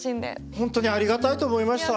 本当にありがたいと思いました。